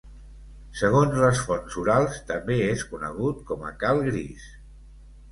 Segons les fonts orals, també és conegut com a Cal Gris.